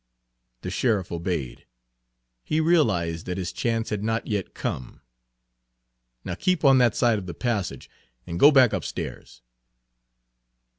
The sheriff obeyed; he realized that his chance had not yet come. "Now keep on that side of the passage, and go back upstairs."